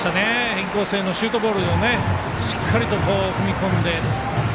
インコースへのシュートボールをしっかりと踏み込んで。